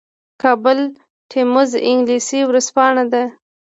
کابل ټایمز انګلیسي ورځپاڼه ده